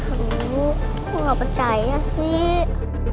aduh nggak percaya sih